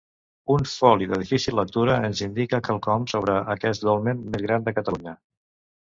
Un foli de difícil lectura ens indica quelcom sobre aquest Dolmen més gran de Catalunya.